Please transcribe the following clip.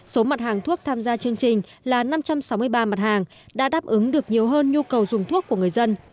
số mặt hàng thuốc tham gia chương trình là năm trăm sáu mươi ba mặt hàng đã đáp ứng được nhiều hơn nhu cầu dùng thuốc của người dân